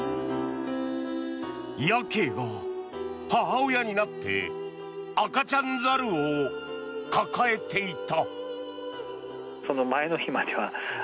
ヤケイが母親になって赤ちゃん猿を抱えていた。